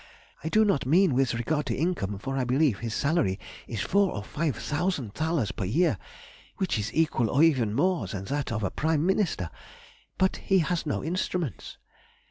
I do not mean with regard to income, for I believe his salary is four or five thousand thalers per year, which is equal, or even more, than that of a Prime Minister; but he has no instruments.